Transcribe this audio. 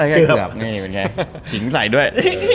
หิงใส่ด้วย